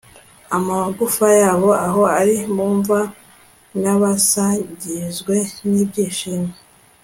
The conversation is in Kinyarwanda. amagufa yabo, aho ari mu mva, nasabagizwe n'ibyishimo